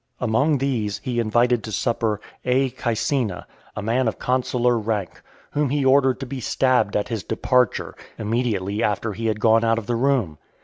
Among these, he invited to supper A. Caecina, a man of consular rank, whom he ordered to be stabbed at his departure, immediately after he had gone out of the room.